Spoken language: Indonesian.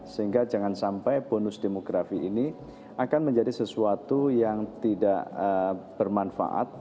sehingga jangan sampai bonus demografi ini akan menjadi sesuatu yang tidak bermanfaat